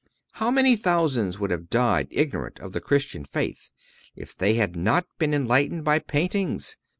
How many thousands would have died ignorant of the Christian faith if they had not been enlightened by paintings!